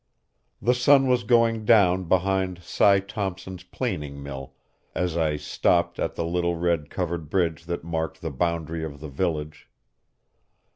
The sun was going down behind Si Thompson's planing mill as I stopped at the little red covered bridge that marked the boundary of the village.